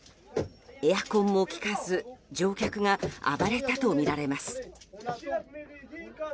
エアコンも効かず乗客が暴れたとみられます。